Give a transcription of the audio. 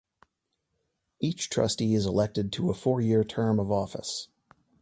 Each trustee is elected to a four-year term of office.